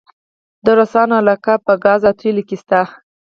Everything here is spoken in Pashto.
د روسانو علاقه په ګاز او تیلو کې شته؟